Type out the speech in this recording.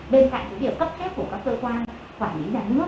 bên cạnh cái việc cấp khép của các cơ quan quản lý nhà nước